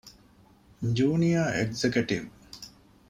ޖޫނިއަރ އެގްޒެކަޓިވް